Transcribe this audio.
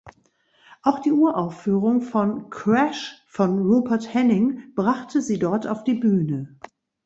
Auch die Uraufführung von „C(r)ash“ von Rupert Henning brachte sie dort auf die Bühne.